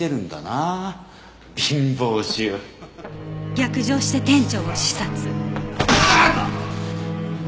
逆上して店長を刺殺。